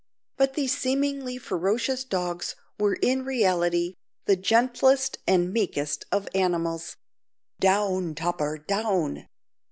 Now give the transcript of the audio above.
But these seemingly ferocious dogs were in reality the gentlest and meekest of animals. "Down, Topper, down!